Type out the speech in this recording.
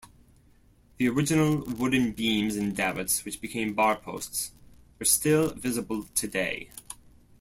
The original wooden beams and davitts, which became bar posts, are still visible today.